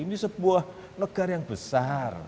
ini sebuah negara yang besar